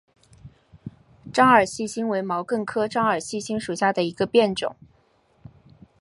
獐耳细辛为毛茛科獐耳细辛属下的一个变种。